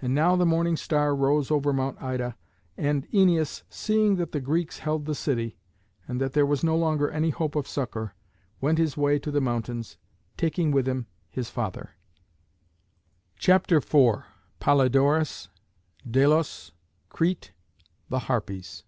And now the morning star rose over Mount Ida, and Æneas, seeing that the Greeks held the city, and that there was no longer any hope of succour, went his way to the mountains, taking with him his father. CHAPTER IV. POLYDORUS DELOS CRETE THE HARPIES.